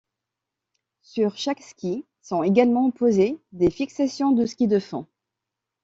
Sur chaque ski sont également posées des fixations de ski de fond.